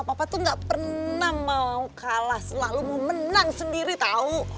papa tuh gak pernah mau kalah selalu mau menang sendiri tahu